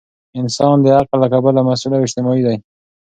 انسان د عقل له کبله مسؤل او اجتماعي دی.